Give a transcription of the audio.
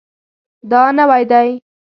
دا نوی دی